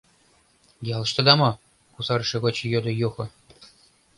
— Ялыштыда мо? — кусарыше гоч йодо Юхо.